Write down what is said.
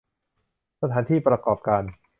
สถานที่ประกอบการ